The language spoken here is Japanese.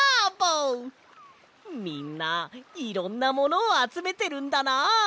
みんないろんなものをあつめてるんだな！